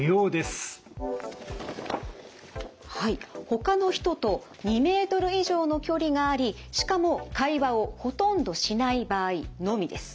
ほかの人と２ｍ以上の距離がありしかも会話をほとんどしない場合のみです。